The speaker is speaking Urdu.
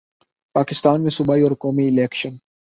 پاکستان میں صوبائی اور قومی الیکشن